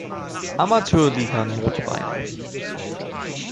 Amateurliga Nordbayern.